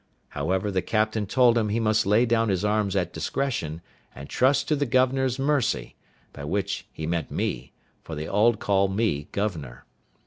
However, the captain told him he must lay down his arms at discretion, and trust to the governor's mercy: by which he meant me, for they all called me governor.